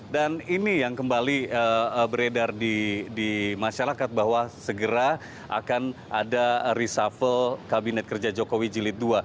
dan ini yang kembali beredar di masyarakat bahwa segera akan ada reshuffle kabinet kerja jokowi jilid dua